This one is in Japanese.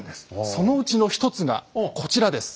そのうちの一つがこちらです。